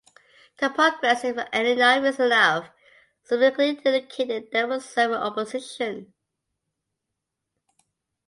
The Progressives and Enough Is Enough subsequently indicated they would serve in opposition.